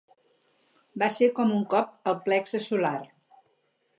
Va ser com un cop al plexe solar.